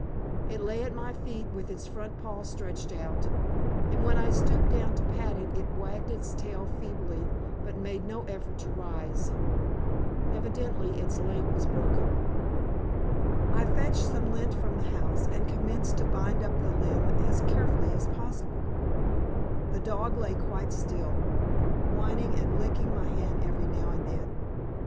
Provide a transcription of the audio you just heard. It lay at my feet with its front paw stretched out, and when I stooped down to pat it, it wagged its tail feebly, but made no effort to rise. Evidently its leg was broken. I fetched some lint from the house, and commenced to bind up the limb as carefully as possible. The dog lay quite still, whining and licking my hand every now and then.